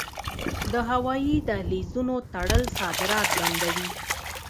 د هوایی دهلیزونو تړل صادرات بندوي.